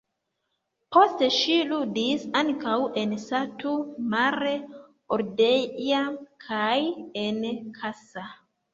Poste ŝi ludis ankaŭ en Satu Mare, Oradea kaj en Kassa.